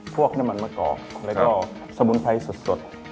พวกน้ำมันมะกอกแล้วก็สมุนไพรสด